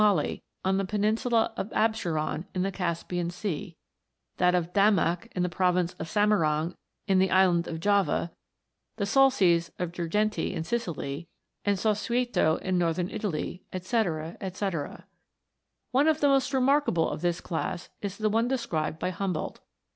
rnali, on the peninsula of Abscheron, in the Caspian Sea; that of Damak, in the province of Samarang, in the island of Java; the Salses of Girgenti in Sicily, and Sassueto in Northern Italy, &c., &c. One of the most remarkable of this class is the one described by Humboldt.